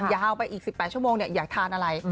ยาวไปอีก๑๘ชั่วโมงอยากทานอะไร